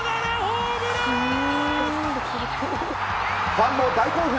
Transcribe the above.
ファンも大興奮！